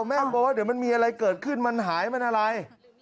แม่บอกว่าเดี๋ยวมันมีอะไรเกิดขึ้นมันหายมันอะไร